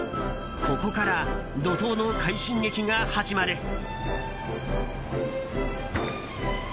ここから、怒涛の快進撃が始まる。